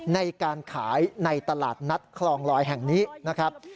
ในการขายในตลาดนัดคลองลอยแห่งนี้นะครับ